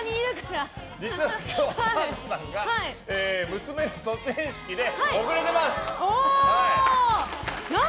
今日は澤部さんが娘の卒園式で遅れてます。